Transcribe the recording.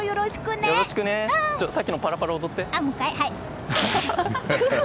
さっきのパラパラ踊って。